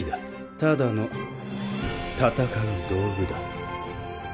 ただの戦う道具だ。